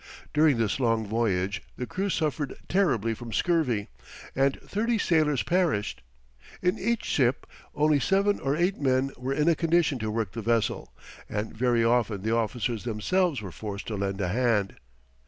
During this long voyage the crews suffered terribly from scurvy, and thirty sailors perished. In each ship, only seven or eight men were in a condition to work the vessel, and very often the officers themselves were forced to lend a hand.